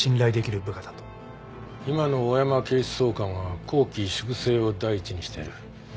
今の大山警視総監は綱紀粛正を第一にしてる。